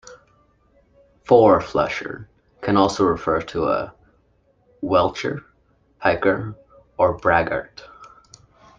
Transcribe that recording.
Four flusher can also refer to a welcher, piker, or braggart.